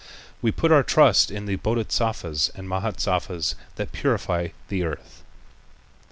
"We put our trust in the Bodhisattvas and Mahâsattvas that purify the earth."